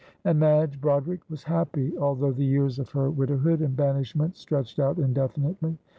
And Madge Broderick was happy, although the years of her widowhood and banishment stretched out indefinitely.